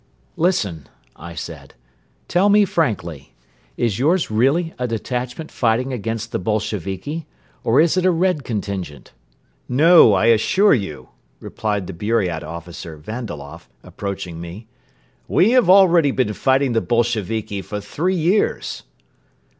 "Listen," I said. "Tell me frankly. Is yours really a detachment fighting against the Boisheviki or is it a Red contingent?" "No, I assure you!" replied the Buriat officer Vandaloff, approaching me. "We have already been fighting the Bolsheviki for three years."